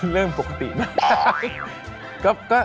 เรื่องปกติมาก